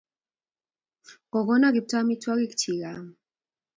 Kogono Kiptoo amitwogik chik aam.